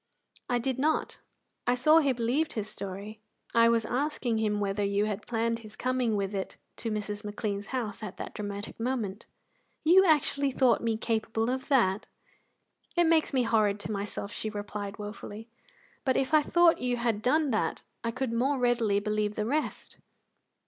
"I did not. I saw he believed his story. I was asking him whether you had planned his coming with it to Mrs. McLean's house at that dramatic moment." "You actually thought me capable of that!" "It makes me horrid to myself," she replied wofully, "but if I thought you had done that I could more readily believe the rest."